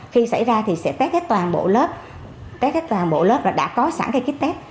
khi xảy ra thì sẽ test hết toàn bộ lớp test hết toàn bộ lớp là đã có sẵn cái kít test